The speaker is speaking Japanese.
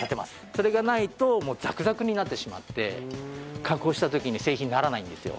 それがないともうザクザクになってしまって加工した時に製品にならないんですよ。